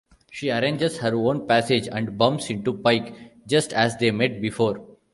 She arranges her own passage, and "bumps into" Pike, just as they met before.